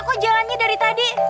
kok jalannya dari tadi